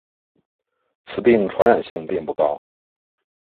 此病传染性并不高。